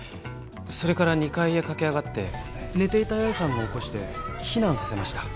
それから２階へ駆け上がって寝ていたヤエさんを起こして避難させました